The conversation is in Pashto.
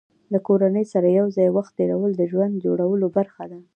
د کورنۍ سره یو ځای وخت تېرول د ژوند جوړولو برخه ده.